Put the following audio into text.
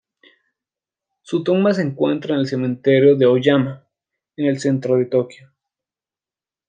Su tumba se encuentra en el cementerio de Aoyama, en el centro de Tokio.